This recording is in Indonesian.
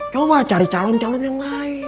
coba cari calon calon yang lain